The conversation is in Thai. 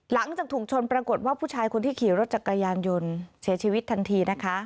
หลังจากถูกชนปรากฏว่าผู้ชายคนที่ขี่รถจักรยานยนต์เสียชีวิตทันทีนะคะ